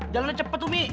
jalannya cepet umi